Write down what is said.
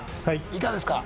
いかがですか？